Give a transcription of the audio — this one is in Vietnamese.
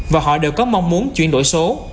và họ đều có mong muốn chuyển đổi số